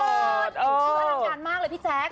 ชื่อวันดังการมากเลยพี่แจ๊ค